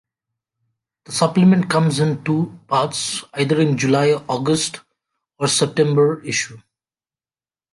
The supplement comes in two parts either in the July, August, or September issue.